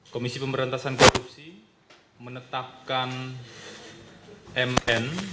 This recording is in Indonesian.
komisi pemberantasan korupsi menetapkan mn